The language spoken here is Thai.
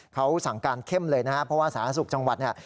เขาสั่งการเข้มเลยนะครับเพราะว่าสาธารณสุขจังหวัดเนี่ย